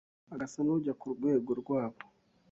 agasa n’ujya ku rwego rwabo